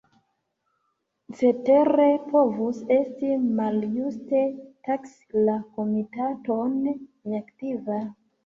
Cetere povus esti maljuste taksi la Komitaton neaktiva.